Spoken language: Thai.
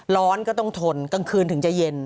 ร้อนก็ต้องทนกลางคืนถึงจะเย็น